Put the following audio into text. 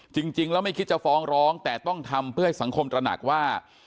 จริงแล้วไม่คิดจะฟ้องร้องแต่ต้องทำเพื่อให้สังคมตระหนักว่า